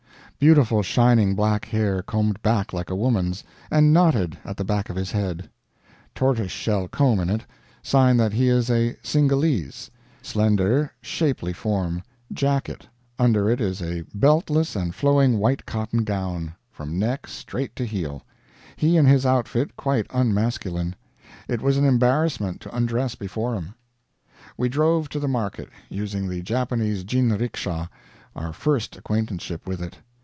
Beautiful shining black hair combed back like a woman's, and knotted at the back of his head tortoise shell comb in it, sign that he is a Singhalese; slender, shapely form; jacket; under it is a beltless and flowing white cotton gown from neck straight to heel; he and his outfit quite unmasculine. It was an embarrassment to undress before him. We drove to the market, using the Japanese jinriksha our first acquaintanceship with it.